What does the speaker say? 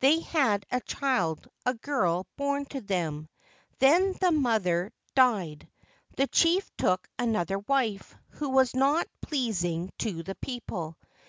They had a child, a girl, born to them; then the mother died. The chief took another wife, who was not pleasing to the people.